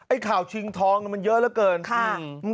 ข่าวชิงทองมันเยอะเหลือเกิน